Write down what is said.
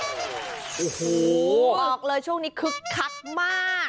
โอ้โหบอกเลยช่วงนี้คึกคักมาก